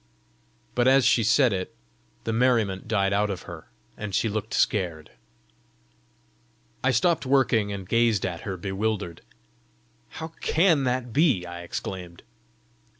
But as she said it, the merriment died out of her, and she looked scared. I stopped working, and gazed at her, bewildered. "How CAN that be?" I exclaimed.